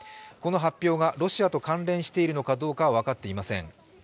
この発表がロシアと関連しているのかどうかは分かっていません。